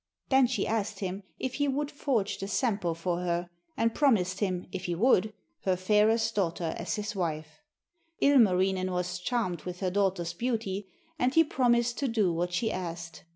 Then she asked him if he would forge the Sampo for her, and promised him, if he would, her fairest daughter as his wife. Ilmarinen was charmed with her daughter's beauty, and he promised to do what she asked.